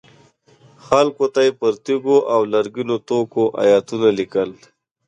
خلکو ته یې پر تیږو او لرګینو توکو ایتونه لیکل.